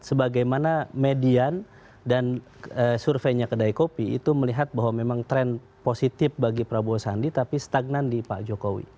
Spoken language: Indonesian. sebagaimana median dan surveinya kedai kopi itu melihat bahwa memang tren positif bagi prabowo sandi tapi stagnan di pak jokowi